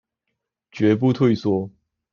絕不退縮